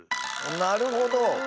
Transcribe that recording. なるほど。